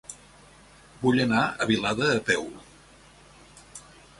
Vull anar a Vilada a peu.